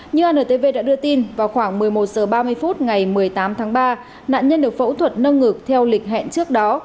như antv đã đưa tin vào khoảng một mươi một h ba mươi phút ngày một mươi tám tháng ba nạn nhân được phẫu thuật nâng ngực theo lịch hẹn trước đó